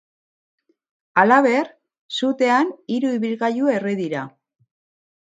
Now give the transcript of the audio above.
Halaber, sutean hiru ibilgailu erre dira.